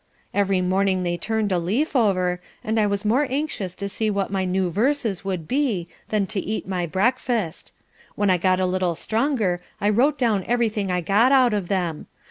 Every morning they turned a leaf over, and I was more anxious to see what my new verses would be, than to eat my breakfast. When I got a little stronger I wrote down everything I got out of them.